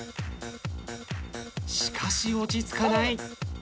しかし落ち着かない。